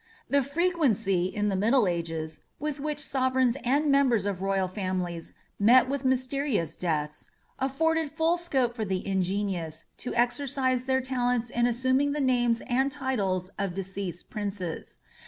The frequency, in the middle ages, with which sovereigns and members of royal families met with mysterious deaths afforded full scope for the ingenious to exercise their talents in assuming the names and titles of deceased princes.